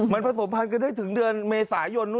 เป็นผสมพันธ์ได้ถึงเดือนมีสายน